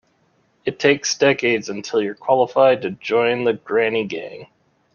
It takes decades until you're qualified to join the granny gang.